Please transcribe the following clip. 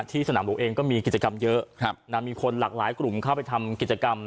สนามหลวงเองก็มีกิจกรรมเยอะมีคนหลากหลายกลุ่มเข้าไปทำกิจกรรม